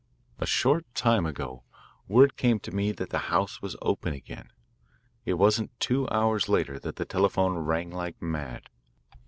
"A short time ago, word came to me that the house was open again. It wasn't two hours later that the telephone rang like mad.